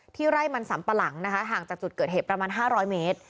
ไร่มันสำปะหลังนะคะห่างจากจุดเกิดเหตุประมาณ๕๐๐เมตร